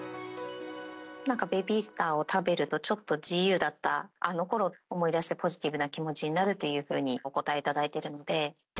なんかベビースターを食べると、ちょっと自由だったあのころを思い出して、ポジティブな気持ちになるというふうにお答えいただいているので。